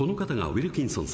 ウィルキンソン